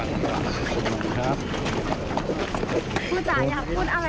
คุณจะอยากพูดอะไรสักติดไหมครับ